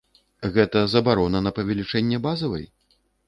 Гэта забарона на павелічэнне базавай?